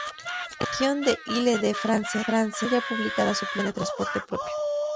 La región de Île-de-France tenía ya publicada su plan de transporte propio.